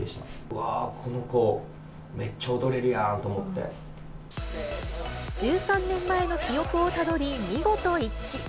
うわー、この子、めっちゃ踊れる１３年前の記憶をたどり、見事一致。